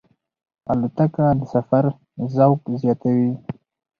الوتکه د سفر ذوق زیاتوي.